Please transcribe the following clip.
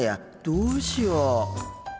どうしよう。